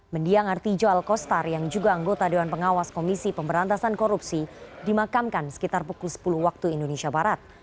mendiang artijo alkostar yang juga anggota dewan pengawas komisi pemberantasan korupsi dimakamkan sekitar pukul sepuluh waktu indonesia barat